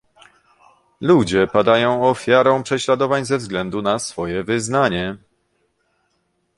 Ludzie padają ofiarą prześladowań ze względu na swoje wyznanie